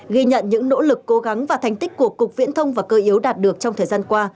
ghi nhận những nỗ lực cố gắng và thành tích của cục viễn thông và cơ yếu đạt được trong thời gian qua